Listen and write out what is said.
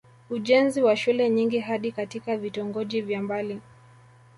Ujenzi wa shule nyingi hadi katika vitongoji vya mbali